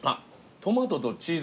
トマトとチーズ。